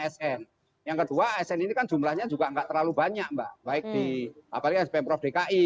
sn yang kedua asn ini kan jumlahnya juga nggak terlalu banyak mbak baik di apalagi spm prof dki